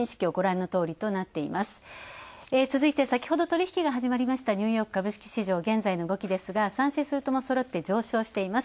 続いて、先ほど取引が始まりましたニューヨーク株式市場現在の動きですが３指数ともそろって上昇しています。